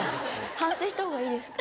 反省したほうがいいですか？